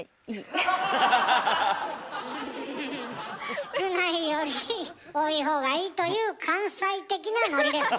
少ないより多いほうがいいという関西的なノリですね？